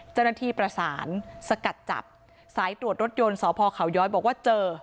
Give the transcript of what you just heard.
เจ้าหน้าที่ประสานสกัดจับสายตรวจรถยนต์สพเขาย้อยบอกว่าเจอ